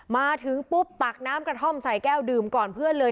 มาถึงปุ๊บตักน้ำกระท่อมใส่แก้วดื่มก่อนเพื่อนเลย